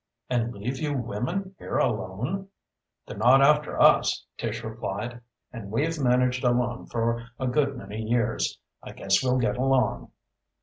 "And leave you women here alone?" "They're not after us," Tish replied, "and we've managed alone for a good many years. I guess we'll get along."